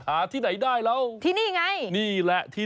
หาที่ไหนได้แล้ว